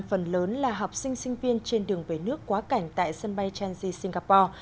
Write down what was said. phần lớn là học sinh sinh viên trên đường về nước quá cảnh tại sân bay changi singapore